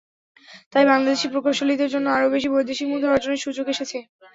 তাই বাংলাদেশি প্রকৌশলীদের জন্য আরও বেশি বৈদেশিক মুদ্রা অর্জনের সুযোগ এসেছে।